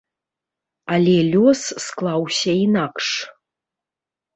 Але лёс склаўся інакш.